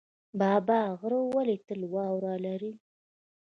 بابا غر ولې تل واوره لري؟